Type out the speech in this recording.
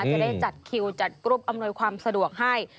จะได้จัดคิวจัดกรุ๊ปอำนวยความสะดวกให้